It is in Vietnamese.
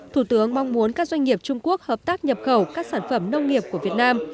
thủ tướng mong muốn các doanh nghiệp trung quốc hợp tác nhập khẩu các sản phẩm nông nghiệp của việt nam